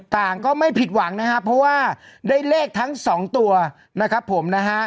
ก็ไม่ผิดหวังนะครับเพราะว่าได้เลขทั้งสองตัวนะครับผมนะฮะ